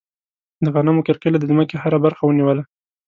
د غنمو کرکیله د ځمکې هره برخه ونیوله.